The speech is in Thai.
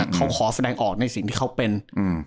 เขาขอแสดงออกในสิ่งที่เขาเป็นอืม